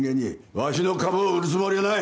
わしの株を売るつもりはない！